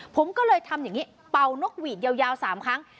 ผมก็เลยทำอย่างนี้เป่านกหวีดยาว๓ครั้ง